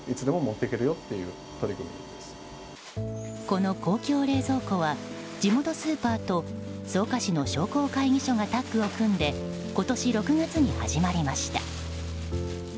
この公共冷蔵庫は地元スーパーと草加市の商工会議所がタッグを組んで今年６月に始まりました。